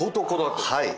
はい。